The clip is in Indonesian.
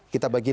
kita bagi lima